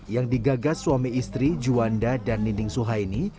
yang digagas suami istri juanda dan ninding suhaini